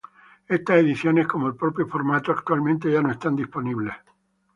Estas ediciones, como el propio formato, actualmente ya no están disponibles.